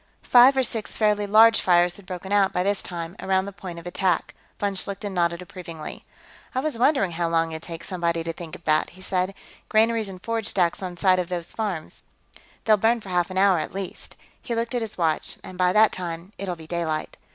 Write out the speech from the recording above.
Five or six fairly large fires had broken out, by this time, around the point of attack. Von Schlichten nodded approvingly. "I was wondering how long it'd take somebody to think of that," he said. "Granaries and forage stacks on some of these farms. They'll burn for half an hour, at least." He looked at his watch. "And by that time, it'll be daylight."